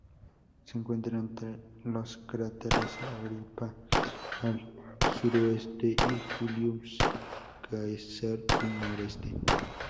Se encuentra entre los cráteres Agrippa al suroeste y Julius Caesar al noreste.